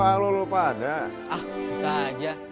ah usaha aja